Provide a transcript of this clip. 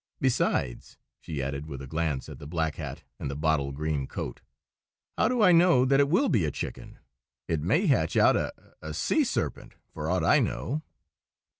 Besides," she added, with a glance at the black hat and the bottle green coat, "how do I know that it will be a chicken? It may hatch out a—a—sea serpent, for aught I know."